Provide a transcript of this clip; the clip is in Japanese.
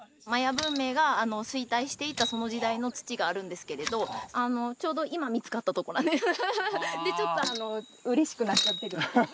文明が衰退していったその時代の土があるんですけれどちょうど今見つかったとこでちょっと嬉しくなっちゃってる